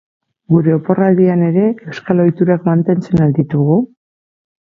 Gure oporraldian ere euskal ohiturak mantentzen al ditugu?